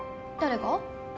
誰が？